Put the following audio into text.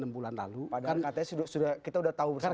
enam bulan lalu padahal katanya kita sudah tahu bersama